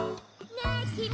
・ねえきみ！